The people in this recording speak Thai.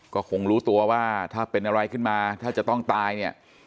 ก็คงรู้ตัวว่าถ้าเป็นอะไรขึ้นมาถ้าจะต้องตายเนี่ย